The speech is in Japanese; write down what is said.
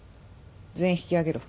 全員引き揚げろ。